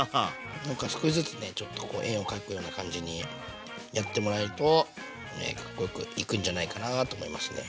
なんか少しずつねちょっと円を描くような感じにやってもらえるとかっこよくいくんじゃないかなと思いますね。